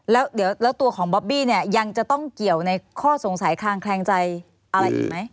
แล้วบอบบี้เนี่ยยังจะต้องเกี่ยวในข้อสงสัยคลางแคลงไขมั้ย